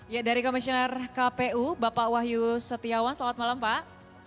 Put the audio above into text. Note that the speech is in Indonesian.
ya dari komisioner kpu bapak wahyu setiawan selamat malam pak